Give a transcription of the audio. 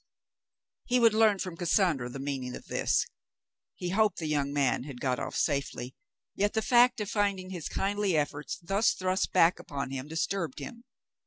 He would learn from Cassandra the meaning of this. He hoped the young man had got off safely, yet the fact of finding his kindly efforts thus thrust back upon him dis turbed him.